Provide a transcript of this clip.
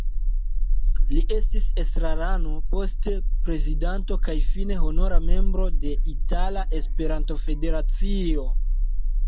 Li estis estrarano, poste prezidanto kaj fine honora Membro de Itala Esperanto-Federacio.